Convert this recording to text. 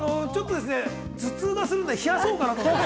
頭痛がするんで、冷やそうかなと思って。